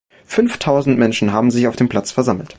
Fünftausend Menschen haben sich auf dem Platz versammelt.